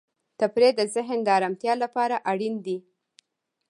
تفریح د ذهن د آرام لپاره اړین دی.